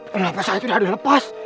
kenapa saya tuh udah lepas